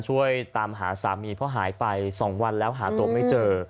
ช่วยตามหาสามีเพราะหายไป๒วันแล้วหาตัวไม่เจอ